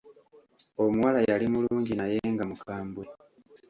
Omuwala yali mulungi naye nga mukambwe.